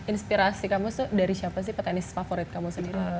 inspirasi kamu tuh dari siapa sih petenis favorit kamu sendiri